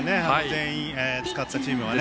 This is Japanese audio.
全員、使ったチームがね。